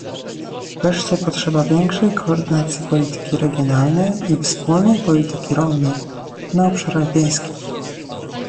Wreszcie potrzeba większej koordynacji polityki regionalnej i wspólnej polityki rolnej na obszarach wiejskich